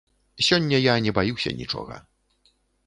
Сёння я не баюся нічога.